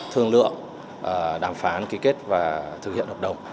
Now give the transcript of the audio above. thương lượng đàm phán ký kết và thực hiện hợp đồng